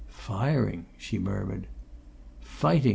"Firing!" she murmured. "Fighting!"